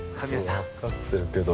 わかってるけど。